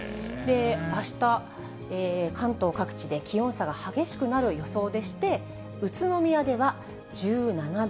あした、関東各地で気温差が激しくなる予想でして、宇都宮では１７度。